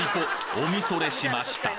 おみそれしました！